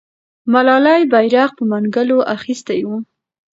ملالۍ بیرغ په منګولو اخیستی وو.